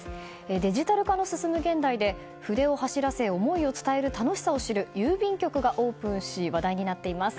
デジタル化の進む現代で筆を走らせ思いを伝える楽しさを知る郵便局がオープンし話題になっています。